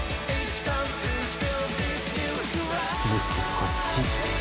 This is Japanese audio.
こっち。